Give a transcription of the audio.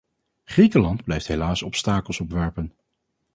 Griekenland blijft helaas obstakels opwerpen.